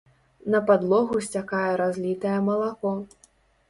На падлогу сцякае разлітае малако.